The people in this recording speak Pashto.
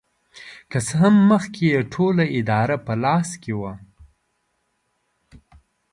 که څه هم مخکې یې ټوله اداره په لاس کې وه.